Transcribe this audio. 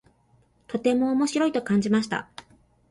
とても面白いと感じました。